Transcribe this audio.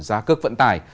giá cước vận tài